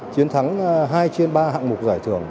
chiến thắng hai trên ba hạng mục giải thưởng